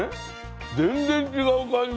全然違う感じ。